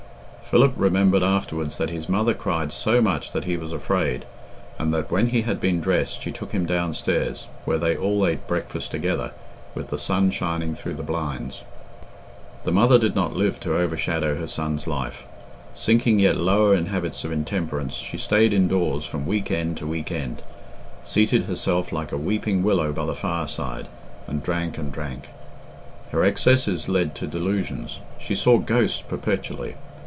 Philip remembered afterwards that his mother cried so much that he was afraid, and that when he had been dressed she took him downstairs, where they all ate breakfast together, with the sun shining through the blinds. The mother did not live to overshadow her son's life. Sinking yet lower in habits of intemperance, she stayed indoors from week end to week end, seated herself like a weeping willow by the fireside, and drank and drank. Her excesses led to delusions. She saw ghosts perpetually.